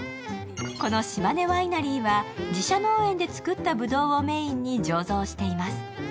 この島根ワイナリーは自社農園で作ったぶどうをメーンに醸造しています。